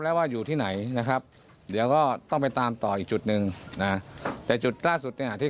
เขาเก็บได้หรือว่าลอยไป